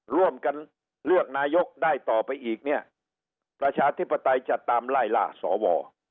ร่วมกันเลือกนายกได้ต่อไปอีกเนี่ยประชาธิปไตยจะตามไล่ล่าสว